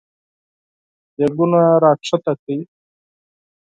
دېګونه راکښته کړی !